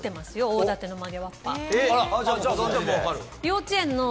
幼稚園の。